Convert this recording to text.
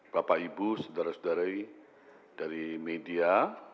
bapak ibu saudara saudara dari media